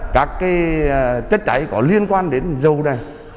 các chất cháy có liên quan đến dầu này